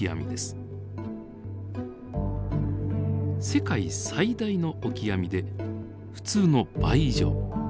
世界最大のオキアミで普通の倍以上。